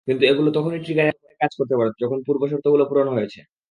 কিন্তু এগুলো তখনই ট্রিগারের কাজ করতে পারে, যখন পূর্বশর্তসমূহ পূরণ হয়েছে।